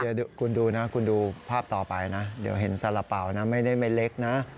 เดี๋ยวคุณดูนะคุณดูภาพต่อไปนะเดี๋ยวเห็นสาระเป๋านะไม่ได้ไม่เล็กนะ